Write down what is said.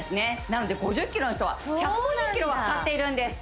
なので５０ｋｇの人は１５０ｋｇはかかっているんです